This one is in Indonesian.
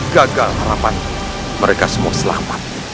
gagal harapan mereka semua selamat